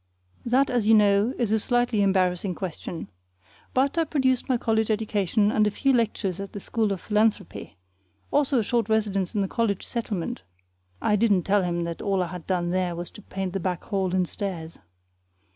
That, as you know, is a slightly embarrassing question. But I produced my college education and a few lectures at the School of Philanthropy, also a short residence in the college settlement (I didn't tell him that all I had done there was to paint the back hall and stairs).